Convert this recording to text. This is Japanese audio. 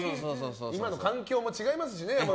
今の環境も違いますしね。